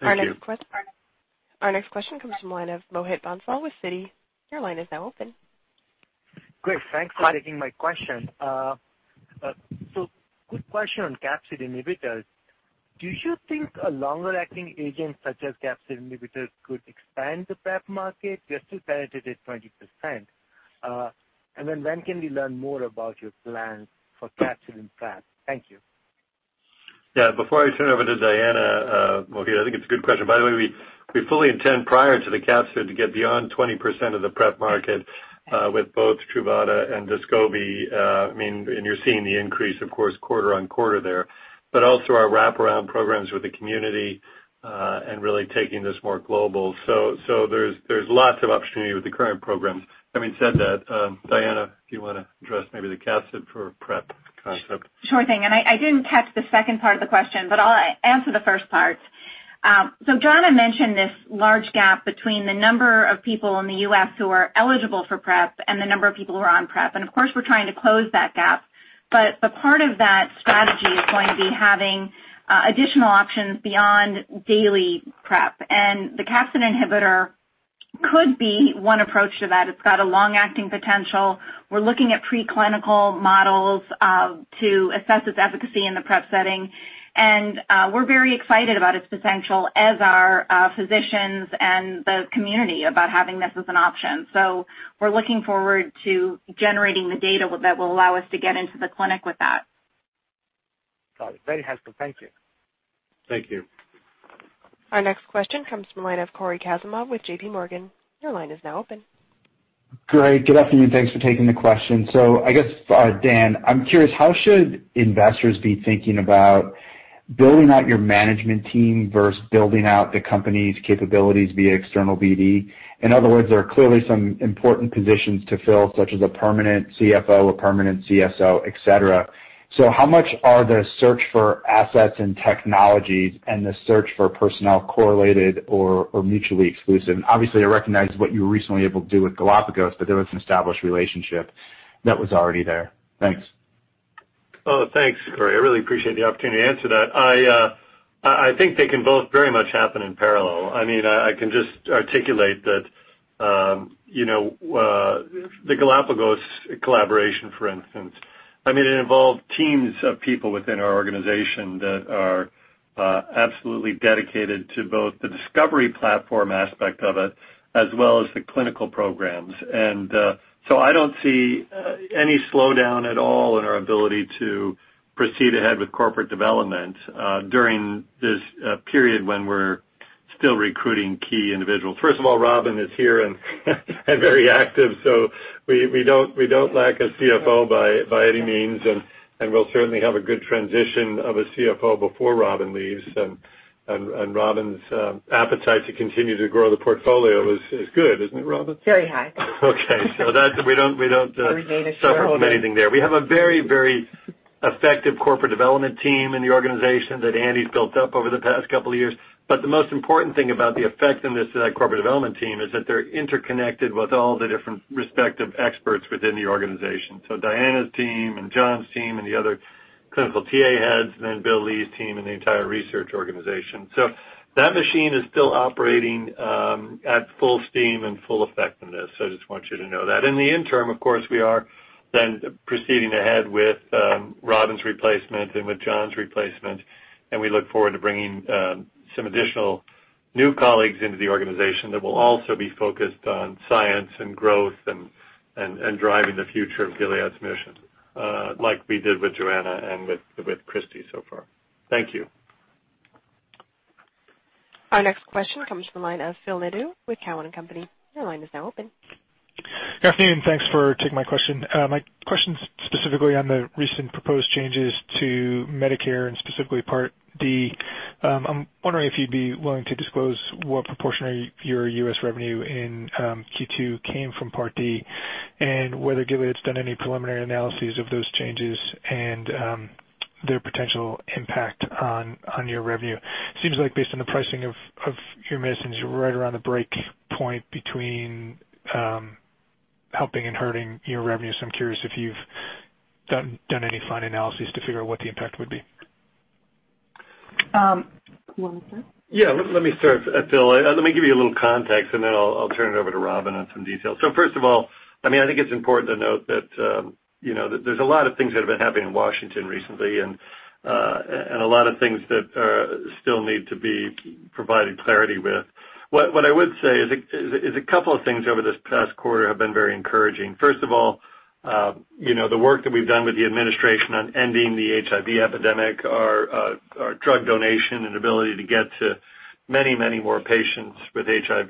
Thank you. Our next question comes from the line of Mohit Bansal with Citi. Your line is now open. Great. Thanks for taking my question. Quick question on capsid inhibitors. Do you think a longer-acting agent, such as capsid inhibitors, could expand the PrEP market? You're still projected at 20%. When can we learn more about your plans for capsid in PrEP? Thank you. Yeah, before I turn it over to Diana, Mohit, I think it's a good question. We fully intend prior to the capsid to get beyond 20% of the PrEP market with both Truvada and Descovy. You're seeing the increase, of course, quarter-on-quarter there, but also our wraparound programs with the community, and really taking this more global. There's lots of opportunity with the current programs. Having said that, Diana, do you want to address maybe the capsid for PrEP concept? Sure thing. I didn't catch the second part of the question, but I'll answer the first part. John had mentioned this large gap between the number of people in the U.S. who are eligible for PrEP and the number of people who are on PrEP. Of course, we're trying to close that gap. A part of that strategy is going to be having additional options beyond daily PrEP, and the capsid inhibitor could be one approach to that. It's got a long-acting potential. We're looking at pre-clinical models to assess its efficacy in the PrEP setting. We're very excited about its potential, as are physicians and the community about having this as an option. We're looking forward to generating the data that will allow us to get into the clinic with that. Got it. Very helpful. Thank you. Thank you. Our next question comes from the line of Cory Kasimov with J.P. Morgan. Your line is now open. Great. Good afternoon. Thanks for taking the question. I guess, Dan, I'm curious, how should investors be thinking about building out your management team versus building out the company's capabilities via external BD? In other words, there are clearly some important positions to fill, such as a permanent CFO, a permanent CSO, et cetera. How much are the search for assets and technologies and the search for personnel correlated or mutually exclusive? Obviously, I recognize what you were recently able to do with Galapagos, but there was an established relationship that was already there. Thanks. Thanks, Cory. I really appreciate the opportunity to answer that. I think they can both very much happen in parallel. I can just articulate that the Galapagos collaboration, for instance. It involved teams of people within our organization that are absolutely dedicated to both the discovery platform aspect of it as well as the clinical programs. I don't see any slowdown at all in our ability to proceed ahead with corporate development during this period when we're still recruiting key individuals. First of all, Robin is here and very active, so we don't lack a CFO by any means. We'll certainly have a good transition of a CFO before Robin leaves. Robin's appetite to continue to grow the portfolio is good, isn't it, Robin? Very high. Okay. We don't suffer with anything there. We made it clear. We have a very, very effective corporate development team in the organization that Andy's built up over the past couple of years. The most important thing about the effectiveness of that corporate development team is that they're interconnected with all the different respective experts within the organization. Diana's team and John's team and the other clinical TA heads, and then Bill Lee's team and the entire research organization. That machine is still operating at full steam and full effectiveness. I just want you to know that. In the interim, of course, we are then proceeding ahead with Robin's replacement and with John's replacement, and we look forward to bringing some additional new colleagues into the organization that will also be focused on science and growth and driving the future of Gilead's mission, like we did with Johanna and with Christi so far. Thank you. Our next question comes from the line of Phil Nadeau with Cowen and Company. Your line is now open. Good afternoon. Thanks for taking my question. My question's specifically on the recent proposed changes to Medicare and specifically Part D. I'm wondering if you'd be willing to disclose what proportion of your U.S. revenue in Q2 came from Part D, and whether Gilead's done any preliminary analyses of those changes and their potential impact on your revenue. Seems like based on the pricing of your medicines, you're right around the break point between helping and hurting your revenue. I'm curious if you've done any fine analyses to figure out what the impact would be. You want this one? Yeah, let me start, Phil. Let me give you a little context, then I'll turn it over to Robin on some details. First of all, I think it's important to note that there's a lot of things that have been happening in Washington recently and a lot of things that still need to be provided clarity with. What I would say is a couple of things over this past quarter have been very encouraging. First of all, the work that we've done with the administration on ending the HIV epidemic, our drug donation, and ability to get to many, many more patients with HIV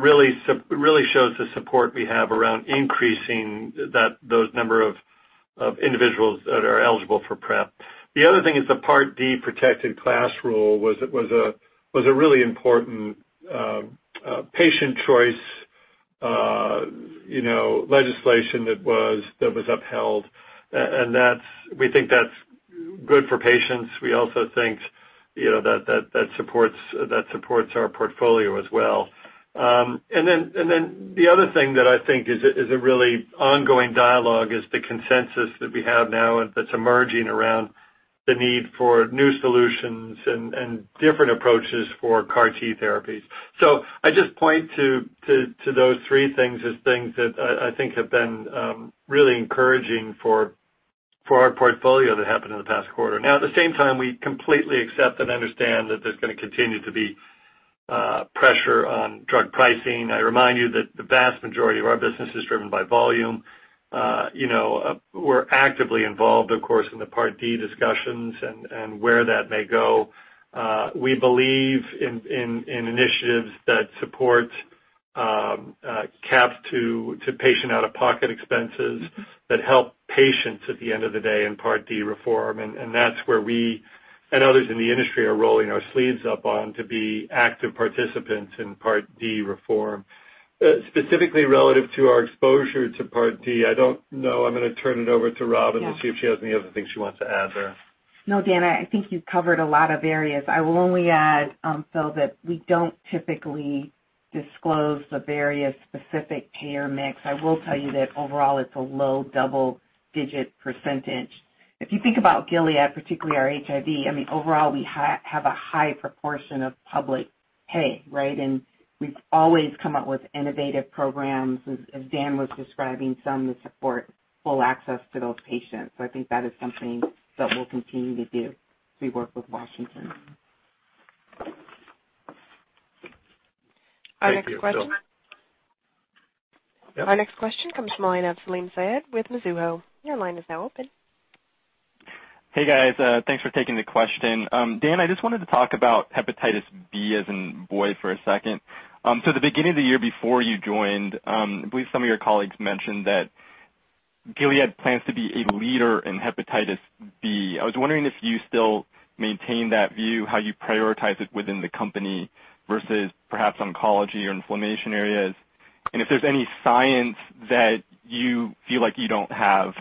really shows the support we have around increasing those number of individuals that are eligible for PrEP. The other thing is the Part D protected class rule was a really important patient choice legislation that was upheld. We think that's good for patients. We also think that supports our portfolio as well. The other thing that I think is a really ongoing dialogue is the consensus that we have now that's emerging around the need for new solutions and different approaches for CAR T therapies. I just point to those three things as things that I think have been really encouraging for our portfolio that happened in the past quarter. At the same time, we completely accept and understand that there's going to continue to be pressure on drug pricing. I remind you that the vast majority of our business is driven by volume. We're actively involved, of course, in the Part D discussions and where that may go. We believe in initiatives that support caps to patient out-of-pocket expenses that help patients at the end of the day in Part D reform. That's where we and others in the industry are rolling our sleeves up on to be active participants in Part D reform. Specifically relative to our exposure to Part D, I don't know. I'm going to turn it over to Robin and we'll see if she has any other things she wants to add there. No, Dan, I think you've covered a lot of areas. I will only add, Phil, that we don't typically disclose the various specific payer mix. I will tell you that overall it's a low double-digit percentage. If you think about Gilead, particularly our HIV, I mean, overall, we have a high proportion of public pay, right? We've always come up with innovative programs, as Dan was describing, some that support full access to those patients. I think that is something that we'll continue to do as we work with Washington. Thank you, Phil. Our next question. Our next question comes from the line of Salim Syed with Mizuho. Your line is now open. Hey, guys. Thanks for taking the question. Dan, I just wanted to talk about hepatitis B, as in boy, for a second. At the beginning of the year before you joined, I believe some of your colleagues mentioned that Gilead plans to be a leader in hepatitis B. I was wondering if you still maintain that view, how you prioritize it within the company versus perhaps oncology or inflammation areas, and if there's any science that you feel like you don't have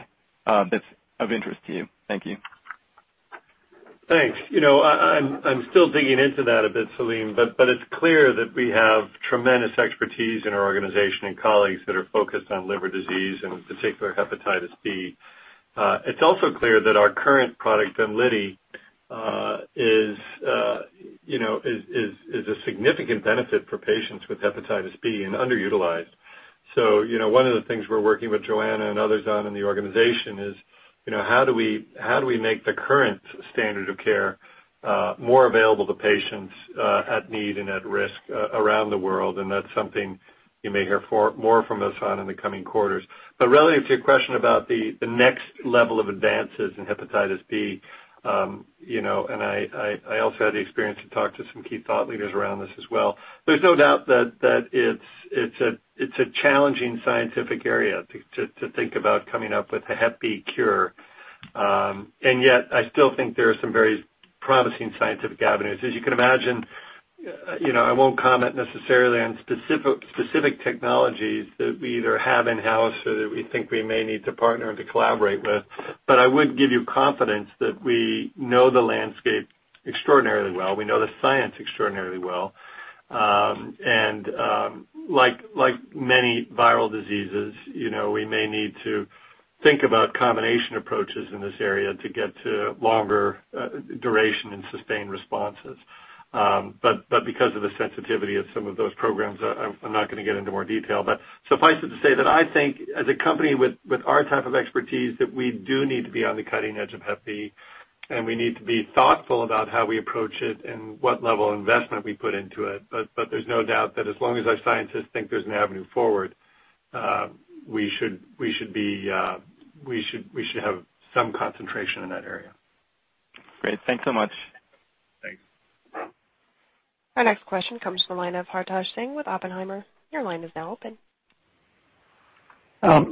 that's of interest to you. Thank you. Thanks. I'm still digging into that a bit, Salim. It's clear that we have tremendous expertise in our organization and colleagues that are focused on liver disease and in particular, hepatitis B. It's also clear that our current product, VEMLIDY, is a significant benefit for patients with hepatitis B and underutilized. One of the things we're working with Johanna and others on in the organization is how do we make the current standard of care more available to patients at need and at risk around the world? That's something you may hear more from us on in the coming quarters. Relative to your question about the next level of advances in hepatitis B, and I also had the experience to talk to some key thought leaders around this as well. There's no doubt that it's a challenging scientific area to think about coming up with a hep B cure. Yet, I still think there are some very promising scientific avenues. As you can imagine, I won't comment necessarily on specific technologies that we either have in-house or that we think we may need to partner or to collaborate with. I would give you confidence that we know the landscape extraordinarily well. We know the science extraordinarily well. Like many viral diseases, we may need to think about combination approaches in this area to get to longer duration and sustained responses. Because of the sensitivity of some of those programs, I'm not going to get into more detail. Suffice it to say that I think as a company with our type of expertise, that we do need to be on the cutting edge of hep B, and we need to be thoughtful about how we approach it and what level of investment we put into it. There's no doubt that as long as our scientists think there's an avenue forward, we should have some concentration in that area. Great. Thanks so much. Thanks. Our next question comes from the line of Hartaj Singh with Oppenheimer. Your line is now open.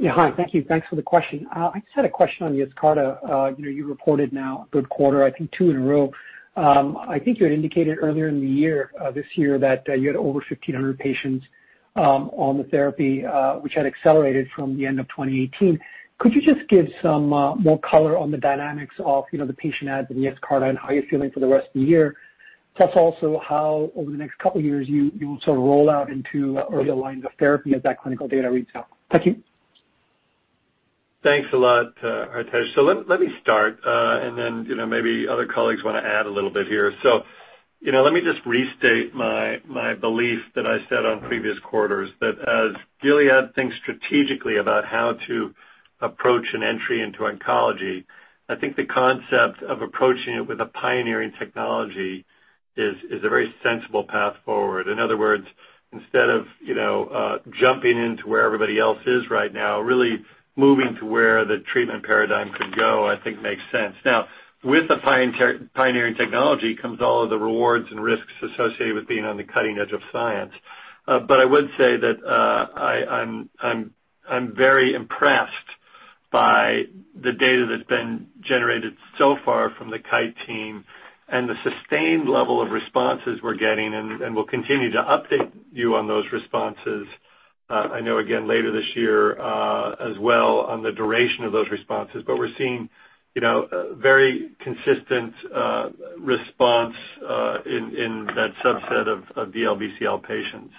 Yeah. Hi. Thank you. Thanks for the question. I just had a question on YESCARTA. You reported now a good quarter, I think two in a row. I think you had indicated earlier in the year, this year, that you had over 1,500 patients on the therapy, which had accelerated from the end of 2018. Could you just give some more color on the dynamics of the patient adds in YESCARTA and how you're feeling for the rest of the year, plus also how over the next couple of years you will sort of roll out into earlier lines of therapy as that clinical data reads out? Thank you. Thanks a lot. Let me start, and then maybe other colleagues want to add a little bit here. Let me just restate my belief that I said on previous quarters, that as Gilead thinks strategically about how to approach an entry into oncology, I think the concept of approaching it with a pioneering technology is a very sensible path forward. In other words, instead of jumping into where everybody else is right now, really moving to where the treatment paradigm could go, I think makes sense. Now, with the pioneering technology comes all of the rewards and risks associated with being on the cutting edge of science. I would say that I'm very impressed by the data that's been generated so far from the Kite team and the sustained level of responses we're getting, and we'll continue to update you on those responses, I know again later this year as well on the duration of those responses. We're seeing very consistent response in that subset of DLBCL patients.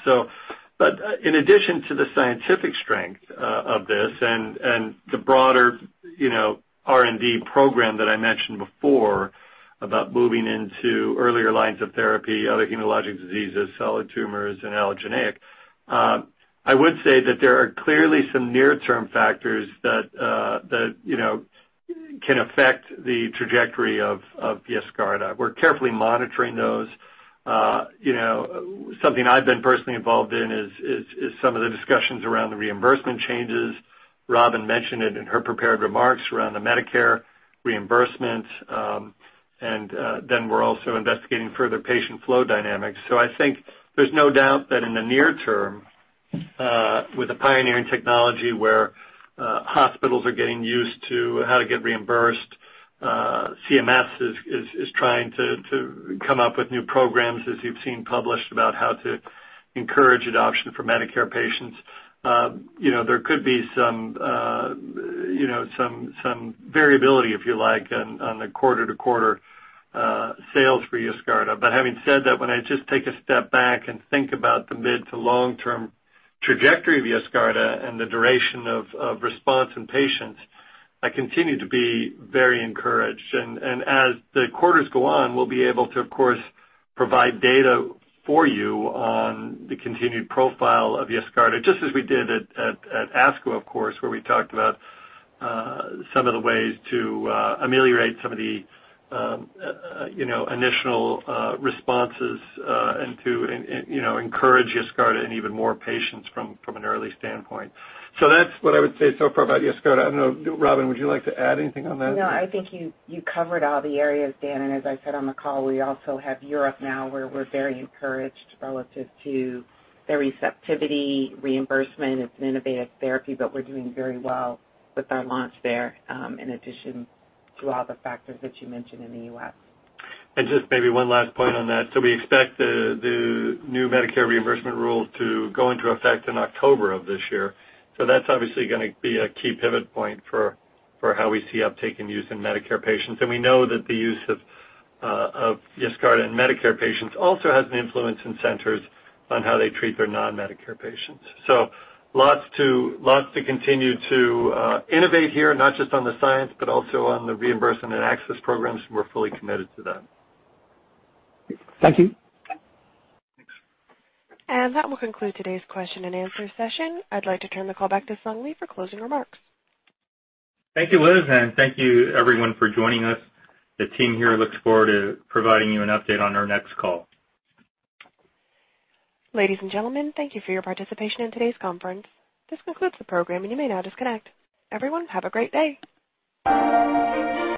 In addition to the scientific strength of this and the broader R&D program that I mentioned before about moving into earlier lines of therapy, other hematologic diseases, solid tumors, and allogeneic, I would say that there are clearly some near-term factors that can affect the trajectory of YESCARTA. We're carefully monitoring those. Something I've been personally involved in is some of the discussions around the reimbursement changes. Robin mentioned it in her prepared remarks around the Medicare reimbursement, and then we're also investigating further patient flow dynamics. I think there's no doubt that in the near term with a pioneering technology where hospitals are getting used to how to get reimbursed, CMS is trying to come up with new programs, as you've seen published, about how to encourage adoption for Medicare patients. There could be some variability, if you like, on the quarter-to-quarter sales for YESCARTA. Having said that, when I just take a step back and think about the mid- to long-term trajectory of YESCARTA and the duration of response in patients, I continue to be very encouraged. As the quarters go on, we'll be able to, of course, provide data for you on the continued profile of YESCARTA, just as we did at ASCO, of course, where we talked about some of the ways to ameliorate some of the initial responses and to encourage YESCARTA in even more patients from an early standpoint. That's what I would say so far about YESCARTA. I don't know, Robin, would you like to add anything on that? I think you covered all the areas, Dan, and as I said on the call, we also have Europe now where we're very encouraged relative to their receptivity, reimbursement. It's an innovative therapy, but we're doing very well with our launch there in addition to all the factors that you mentioned in the U.S. Just maybe one last point on that. We expect the new Medicare reimbursement rule to go into effect in October of this year. That's obviously going to be a key pivot point for how we see uptake in use in Medicare patients. We know that the use of YESCARTA in Medicare patients also has an influence in centers on how they treat their non-Medicare patients. Lots to continue to innovate here, not just on the science, but also on the reimbursement and access programs, and we're fully committed to that. Thank you. Thanks. That will conclude today's question and answer session. I'd like to turn the call back to Sung Lee for closing remarks. Thank you, Liz, and thank you everyone for joining us. The team here looks forward to providing you an update on our next call. Ladies and gentlemen, thank you for your participation in today's conference. This concludes the program, and you may now disconnect. Everyone, have a great day.